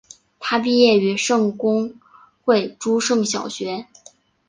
他毕业于圣公会诸圣小学。